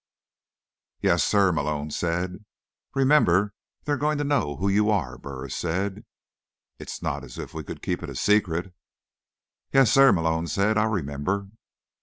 "Yes, sir," Malone said. "Remember, they're going to know who you are," Burris said. "It's not as if we could keep it a secret." "Yes, sir," Malone said. "I'll remember."